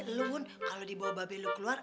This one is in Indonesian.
tapi lu pun kalau dibawa babi lu keluar